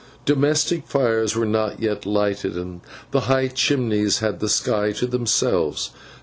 Domestic fires were not yet lighted, and the high chimneys had the sky to themselves.